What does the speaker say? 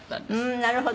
なるほどね。